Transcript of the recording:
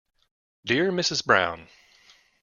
Dear Mrs Brown.